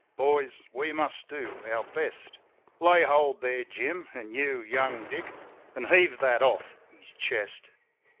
"Boys, we must do our best. Lay hold there, Jim, an' you, young Dick, an' heave that off his chest.